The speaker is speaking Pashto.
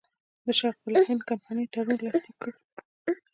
د شرق الهند کمپنۍ تړون لاسلیک کړ.